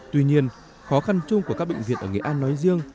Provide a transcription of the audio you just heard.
tuy nhiên khó khăn chung của các bệnh viện ở nghệ an nói riêng